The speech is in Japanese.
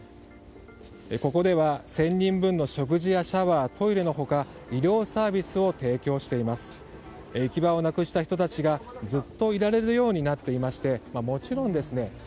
ここでは１０００人分の食事やシャワー、トイレの他医療サービスを提供しています。